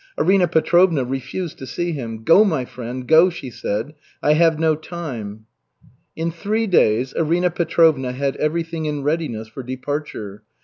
Arina Petrovna refused to see him. "Go, my friend, go," she said. "I have no time." In three days, Arina Petrovna had everything in readiness for departure.